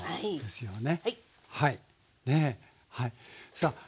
さあ